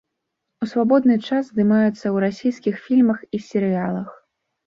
У свабодны час здымаецца ў расійскіх фільмах і серыялах.